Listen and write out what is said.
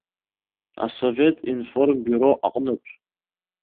Асовет информбиуро аҟнытә!